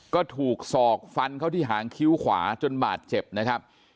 ก็ถูกศอกฟันเข้าที่หางคิ้วขวาจนบาดเจ็บนะครับ